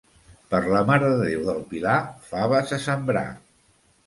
Per la Mare de Déu del Pilar, faves a sembrar.